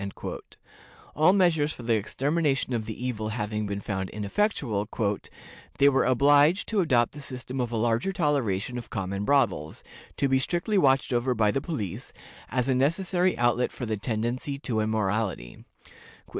All measures for the extermination of the evil having been found ineffectual, "they were obliged to adopt the system of a larger toleration of common brothels, to be strictly watched over by the police, as a necessary outlet for the tendency to immorality."